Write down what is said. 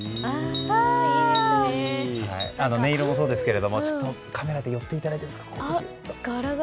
音色もそうですけれどもカメラで寄っていただいていいですか。